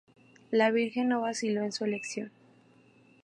La virgen no vaciló en su elección.